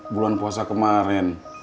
bulan puasa kemarin